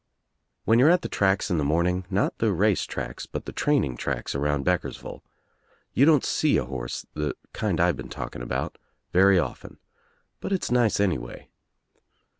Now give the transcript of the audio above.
When you're at the tracks in the morning — not the race tracks but the training tracks around Beckersville — you don't see a horse, the kind I've been talking about, very often, but it's nice anyway.